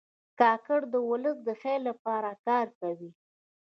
کاکړ د ولس د خیر لپاره کار کوي.